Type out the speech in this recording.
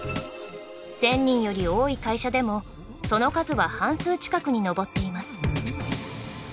１，０００人より多い会社でもその数は半数近くに上っています。